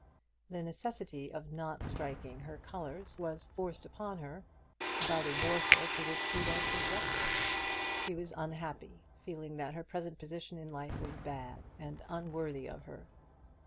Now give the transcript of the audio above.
The necessity of not striking her colours was forced upon her by the warfare to which she was subjected. She was unhappy, feeling that her present position in life was bad, and unworthy of her.